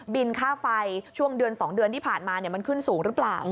ค่าไฟช่วงเดือน๒เดือนที่ผ่านมามันขึ้นสูงหรือเปล่า